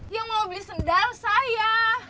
yang mau beli sendal saya